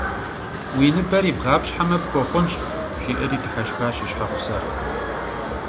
- Уи ныбэр ибгъапщхьэмэ, пхуэхъунщ, - жиӏэри дыхьэшхащ и щхьэгъусэр.